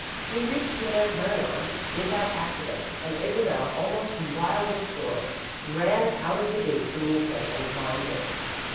He reached Madame Bernard's without accident and Isabel, almost wild with joy, ran out of the gate to meet him and climbed in.